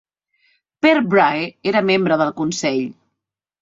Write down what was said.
Per Brahe era membre del consell.